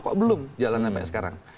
kok belum jalan sampai sekarang